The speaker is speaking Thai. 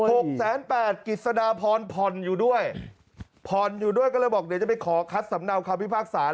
หกแสนแปดกฤษฎาพรพรอยู่ด้วยพรอยู่ด้วยก็เลยบอกเดี๋ยวจะไปขอคัดสำเนาความพิพากษ์ศาล